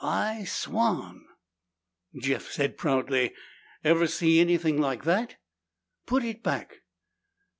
"I swan!" Jeff said proudly, "Ever see anything like that?" "Put it back!"